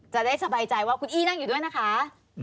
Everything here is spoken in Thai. จะได้สบายใจว่าคุณอี้นั่งอยู่ด้วยนะคะ